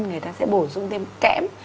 người ta sẽ bổ sung thêm kém